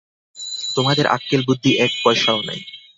তোমাদের আক্কেল বুদ্ধি এক পয়সাও নাই।